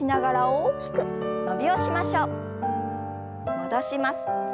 戻します。